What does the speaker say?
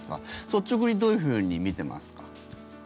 率直にどういうふうに見てますか？